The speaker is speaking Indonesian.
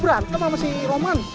berantem sama si roman